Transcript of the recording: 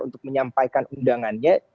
untuk menyampaikan undangannya